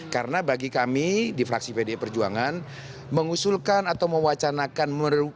karena bagi kami di fraksi bdi perjuangan mengusulkan atau mewacanakan